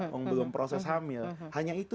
yang belum proses hamil hanya itu